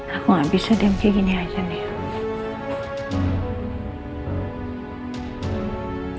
aku gak bisa diam kayak gini aja nih